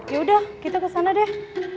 yaudah kita kesana deh